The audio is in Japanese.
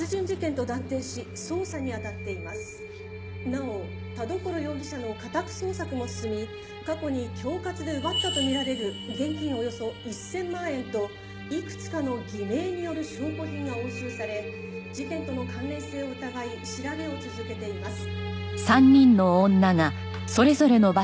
「なお田所容疑者の家宅捜索も進み過去に恐喝で奪ったとみられる現金およそ１０００万円といくつかの偽名による証拠品が押収され事件との関連性を疑い調べを続けています」